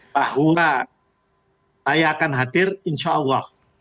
bahwa saya akan hadir insya allah